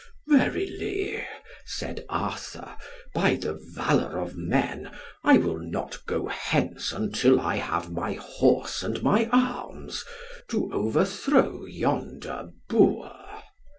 "Verily," said Arthur, "by the valour of men, I will not go hence until I have my horse and my arms to overthrow yonder boor."